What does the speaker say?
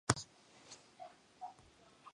There have been three Fat Controllers.